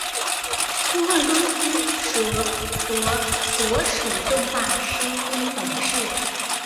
动画公司所属动画师兼董事。